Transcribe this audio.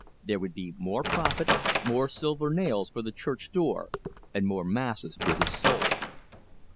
There would be more profit, more silver nails for the church door, and more masses for his soul.